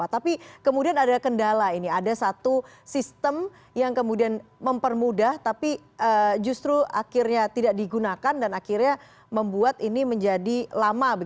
tapi kemudian ada kendala ini ada satu sistem yang kemudian mempermudah tapi justru akhirnya tidak digunakan dan akhirnya membuat ini menjadi lama